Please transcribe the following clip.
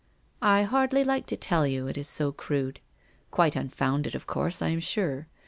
c I hardly like to tell you, it is so crude. Quite un founded, of course, I am sure.